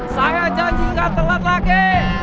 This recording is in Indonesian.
saya janji gak telat lagi